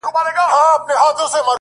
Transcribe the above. • اور يې وي په سترگو کي لمبې کوې؛